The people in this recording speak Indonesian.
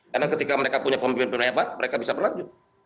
karena ketika mereka punya pemimpin pemimpin apa mereka bisa berlanjut